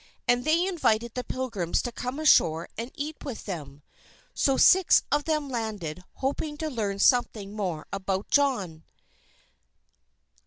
And they invited the Pilgrims to come ashore and eat with them. So six of them landed, hoping to learn something more about John.